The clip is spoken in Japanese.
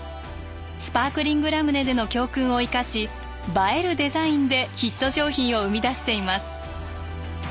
スパークリングラムネでの教訓を生かし映えるデザインでヒット商品を生み出しています。